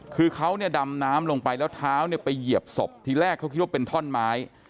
คือเขาเนี่ยดำน้ำลงไปแล้วเท้าเนี่ยไปเหยียบศพทีแรกเขาคิดว่าเป็นท่อนไม้